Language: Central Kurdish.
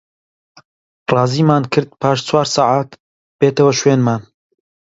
ڕازیمان کرد پاش چوار سەعات بێتەوە شوێنمان